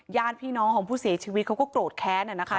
ญาติพี่น้องของผู้เสียชีวิตเขาก็โกรธแค้นนะคะ